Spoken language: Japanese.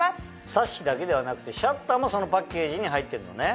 サッシだけではなくてシャッターもそのパッケージに入ってるのね。